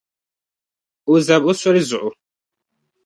O zabi o soli zuɣu.